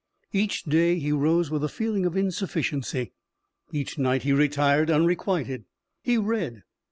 Each day he rose with a feeling of insufficiency. Each night he retired unrequited. He read.